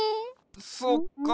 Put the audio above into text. そっか。